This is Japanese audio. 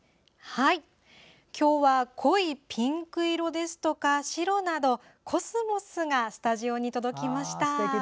今日は濃いピンク色ですとか、白などコスモスがスタジオに届きました。